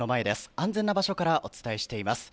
安全な場所からお伝えしています。